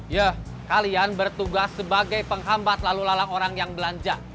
ya kalian bertugas sebagai penghambat lalu lalang orang yang belanja